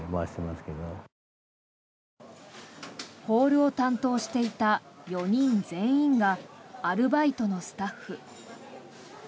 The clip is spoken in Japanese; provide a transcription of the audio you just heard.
ホールを担当していた４人全員がアルバイトのスタッフ。